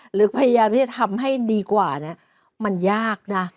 หรือพยายามที่จะทำให้ดีกว่าเนี่ยมันยากนะ